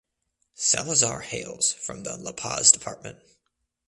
Salazar hails from the La Paz Department.